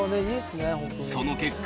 その結果。